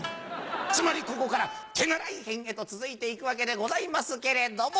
つまりここから手習い編へと続いていくわけでございますけれども。